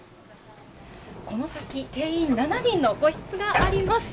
この先、定員７人の個室があります。